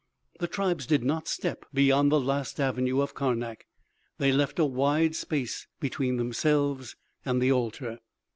The tribes did not step beyond the last avenue of Karnak. They left a wide space between themselves and the altar.